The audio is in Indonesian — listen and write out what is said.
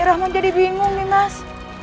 niras menjadi bingung nimas